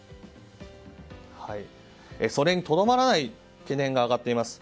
それにとどまらない懸念が上がっています。